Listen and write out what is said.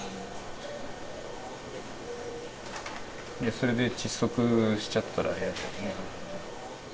それで窒息しちゃったら嫌だよね。